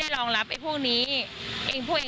ตัวแทนเองก็รู้สึกผิดว่า